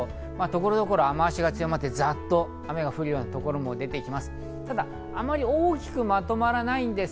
所々雨足が強まってザっと雨が降るようなところも出てきます。